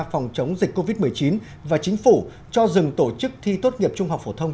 phòng chống dịch covid một mươi chín và chính phủ cho dừng tổ chức thi tốt nghiệp trung học phổ thông